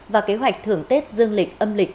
và kế hoạch thưởng tết dương lịch âm lịch